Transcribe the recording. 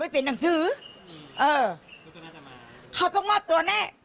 ไม่เป็นนังซื้อเออเขาก็น่าจะมองเขาต้องมอบตัวแน่